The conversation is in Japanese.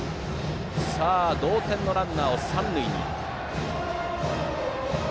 同点のランナーが三塁。